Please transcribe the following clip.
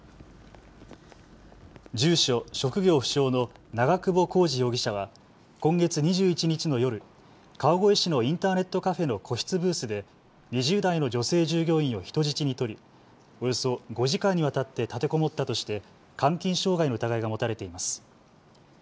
住所・職業不詳の長久保浩二容疑者は今月２１日の夜、川越市のインターネットカフェの個室ブースで２０代の女性従業員を人質に取りおよそ５時間にわたって立てこもったとして監禁傷害の疑いが持たれています。